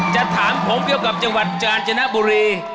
จะถามผมเกี่ยวกับจังหวัดกาญจนบุรี